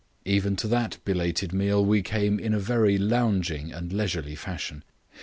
Even to that belated meal we came in a very lounging and leisurely fashion.